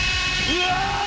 うわ！